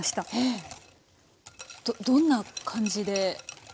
どんな感じで。